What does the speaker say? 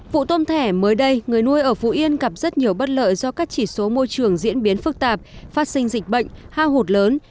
vụ tôm thẻ mới đây người nuôi ở phú yên gặp rất nhiều bất lợi do các chỉ số môi trường diễn biến phức tạp phát sinh dịch bệnh hao hụt lớn